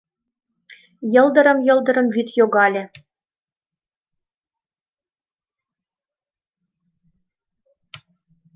Йылдырым-йылдырым вӱд йогале